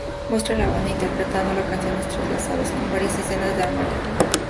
Muestra a la banda interpretando la canción entrelazados con varias escenas de "Armageddon".